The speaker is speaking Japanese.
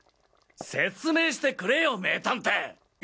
説明してくれよ名探偵！